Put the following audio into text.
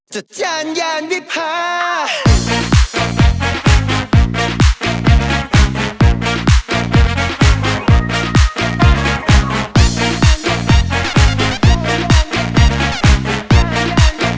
โปรดติดตามตอนต่อไป